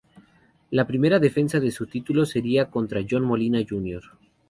La primera defensa de su Título sería contra John Molina Jr.